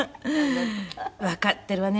「“わかってるわね？